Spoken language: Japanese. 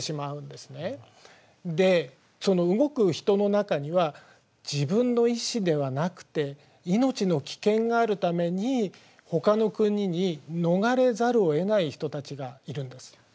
でその動く人の中には自分の意思ではなくて命の危険があるためにほかの国に逃れざるをえない人たちがいるんです。